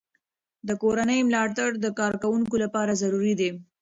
د کورنۍ ملاتړ د کارکوونکو لپاره ضروري دی.